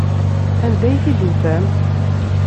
Anda ay t-id-tufam?